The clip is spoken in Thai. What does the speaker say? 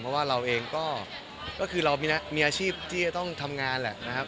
เพราะว่าเราเองก็คือเรามีอาชีพที่จะต้องทำงานแหละนะครับ